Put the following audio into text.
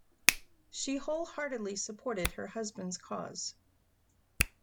She wholeheartedly supported her husband's cause.